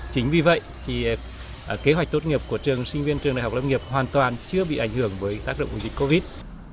chính vì vậy thì kế hoạch tốt nghiệp của trường sinh viên trường đại học lâm nghiệp hoàn toàn chưa bị ảnh hưởng với tác động của dịch covid